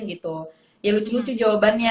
gitu ya lucu lucu jawabannya